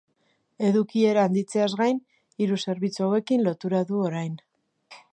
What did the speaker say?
Edukiera handitzeaz gain, hiru zerbitzu hauekin lotura du orain.